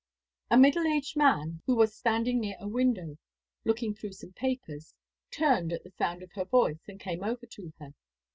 A middle aged man, who was standing near a window looking through some papers, turned at the sound of her voice, and came over to her.